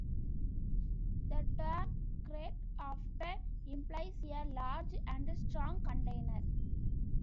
The term 'crate' often implies a large and strong container.